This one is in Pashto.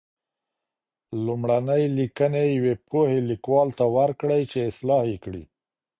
لومړني لیکنې یوې پوهې لیکوال ته ورکړئ چې اصلاح یې کړي.